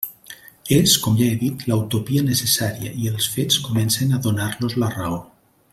És, com ja he dit, la utopia necessària i els fets comencen a donar-los la raó.